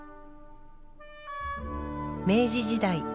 明治時代